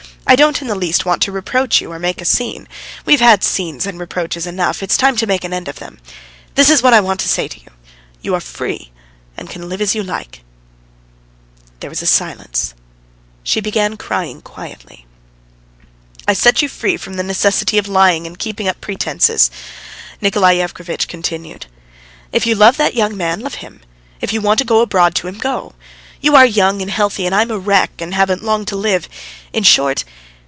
"I don't in the least want to reproach you or make a scene. We've had scenes and reproaches enough; it's time to make an end of them. ... This is what I want to say to you: you are free, and can live as you like." There was a silence. She began crying quietly. "I set you free from the necessity of lying and keeping up pretences," Nikolay Yevgrafitch continued. "If you love that young man, love him; if you want to go abroad to him, go. You are young, healthy, and I am a wreck, and haven't long to live. In short